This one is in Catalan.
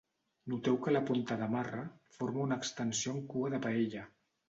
Noteu que la Ponta de Marra forma una extensió en cua de paella.